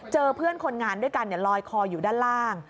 เพื่อนคนงานด้วยกันลอยคออยู่ด้านล่าง